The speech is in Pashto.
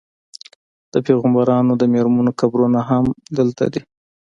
د پیغمبرانو د میرمنو قبرونه هم دلته دي.